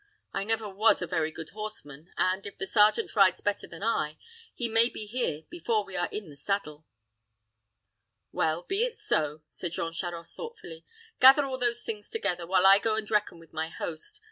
I never was a very good horseman, and, if the sergeant rides better than I, he may be here before we are in the saddle." "Well, be it so," said Jean Charost, thoughtfully. "Gather all those things together, while I go and reckon with my host.